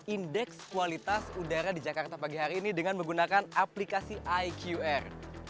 indeks kualitas udara di jakarta pagi hari ini dengan menggunakan aplikasi iqr